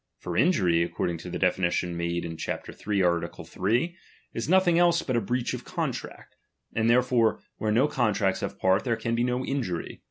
For injury, according to the de finition made in chap. iii. art. 3, is nothing else oxit a breach of contract ; and therefore where no *^ontracts have part, there can be no injury.